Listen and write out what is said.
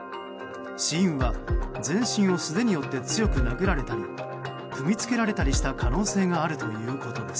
死因は全身を素手によって強く殴られたり踏みつけられたりした可能性があるということです。